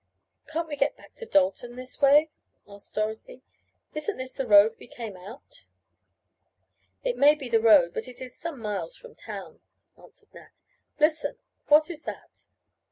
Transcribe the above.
"Can't we get back to Dalton this way?" asked Dorothy. "Isn't this the road we came out?" "It may be the road but it is some miles from town," answered Nat. "Listen! What was that?"